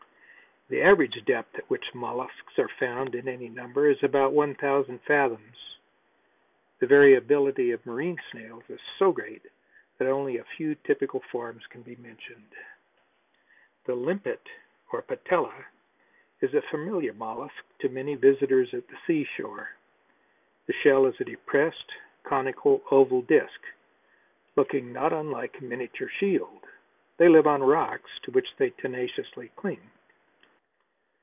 The average depth at which mollusks are found in any number is about one thousand fathoms. The variability of marine snails is so great that only a few typical forms can be mentioned. The Limpet or Patella is a familiar mollusk to many visitors at the sea shore. This shell is a depressed, conical, oval disk, looking not unlike a miniature shield. They live on rocks, to which they tenaciously cling.